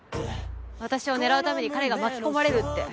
私を狙うために彼が巻き込まれるって。